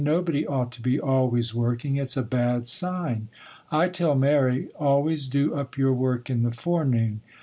'Nobody ought to be always working; it's a bad sign. I tell Mary,—"Always do up your work in the forenoon."